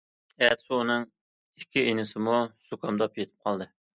ئەتىسى ئۇنىڭ ئىككى ئىنىسىمۇ زۇكامداپ يېتىپ قالدى.